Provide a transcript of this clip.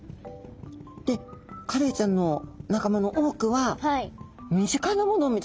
でカレイちゃんの仲間の多くは身近なものを見つけて食べるんですね。